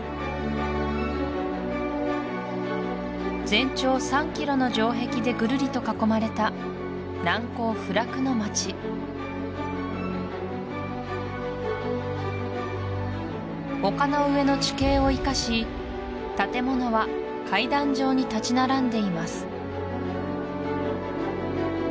全長３ｋｍの城壁でぐるりと囲まれた難攻不落の街丘の上の地形を生かし建物は階段状に立ち並んでいます